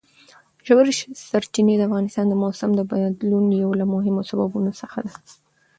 ژورې سرچینې د افغانستان د موسم د بدلون یو له مهمو سببونو څخه ده.